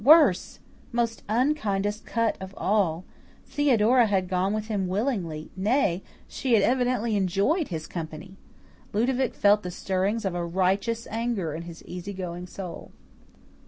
Worse most unkindest cut of all Theodora had gone with him willingly; nay, she had evidently enjoyed his company. Ludovic felt the stirring of a righteous anger in his easy going soul.